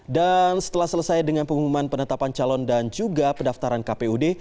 dan setelah selesai dengan pengumuman penetapan calon dan juga pendaftaran kpud